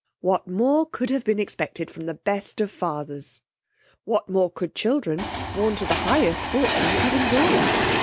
What more could have been expected from the best of fathers! what more could children, born to the highest fortunes, have enjoyed!